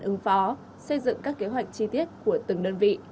do đó xây dựng các kế hoạch chi tiết của từng đơn vị